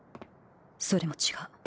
それも違う。